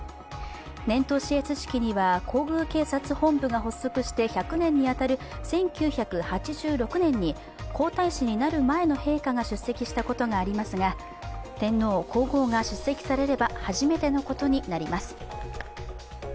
年頭視閲式には皇宮警察本部が発足して１００年に当たる１９８６年に、皇太子になる前の陛下が出席したことがありますが、天皇皇后が出席されれば初めてのことになります。